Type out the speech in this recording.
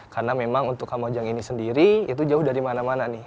karena memang untuk kamojang ini sendiri itu jauh dari mana mana nih